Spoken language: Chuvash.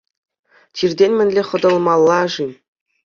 Чиртен мӗнле хӑтӑлмалла-ши?